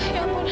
ya ampun amira